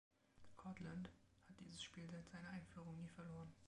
Cortland hat dieses Spiel seit seiner Einführung nie verloren.